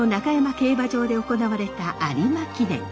競馬場で行われた有馬記念。